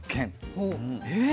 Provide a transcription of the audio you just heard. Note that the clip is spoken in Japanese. え⁉